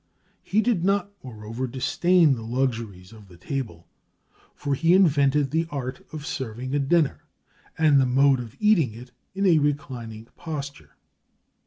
He did not, moreover, disdain the luxuries of the table, for he invented the art of serving a dinner, and the mode of eating it in a reclining posture.